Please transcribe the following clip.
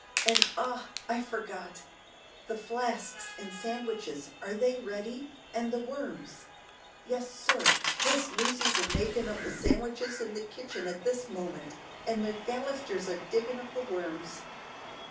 "And, ah! I forgot the flasks and sandwiches are they ready, and the worms?" "Yes, sir; Miss Lucy's a makin' of the san'wiches in the kitchen at this moment, and Maclister's a diggin' of the worms."